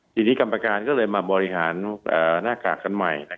ทีนี้กรรมการก็เลยมาบริหารหน้ากากกันใหม่